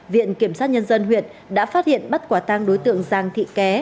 viện kiểm sát nhân dân huyện đã phát hiện bắt quả tang đối tượng giàng thị ké